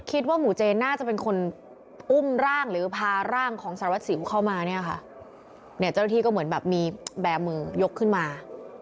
คิดว่าหมู่เจนน่าจะเป็นคนอุ้มร่างหรือพาร่างของสารวัสสิวเข้ามาเนี่ยค่ะเนี่ยเจ้าหน้าที่ก็เหมือนแบบมีแบร์มือยกขึ้นมา